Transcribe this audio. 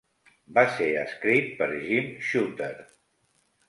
Va ser escrit per Jim Shooter.